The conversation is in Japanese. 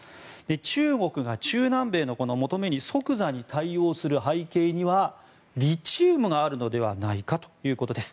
中国が中南米の求めに即座に対応する背景にはリチウムがあるのではないかということです。